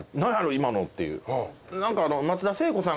今の」っていう。